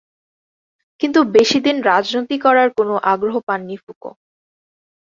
কিন্তু বেশিদিন রাজনীতি করার কোন আগ্রহ পাননি ফুকো।